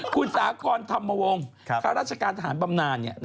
คุณสากรธรรมวงศ์ข้างราชกาลทหารปำนานเนี่ย